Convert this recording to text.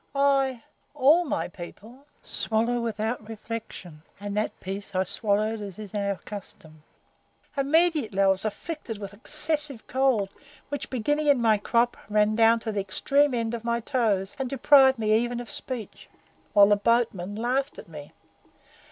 I all my people swallow without reflection, and that piece I swallowed as is our custom. Immediately I was afflicted with an excessive cold which, beginning in my crop, ran down to the extreme end of my toes, and deprived me even of speech, while the boatmen laughed at me.